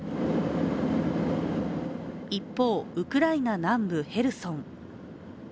一方、ウクライナ南部ヘルソン。